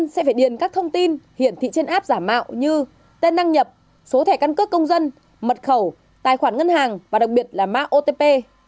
các đối tượng sẽ phải điền các thông tin hiển thị trên app giả mạo như tên năng nhập số thẻ căn cước công dân mật khẩu tài khoản ngân hàng và đặc biệt là mạo otp